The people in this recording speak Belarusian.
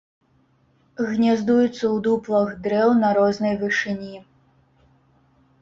Гняздуецца ў дуплах дрэў на рознай вышыні.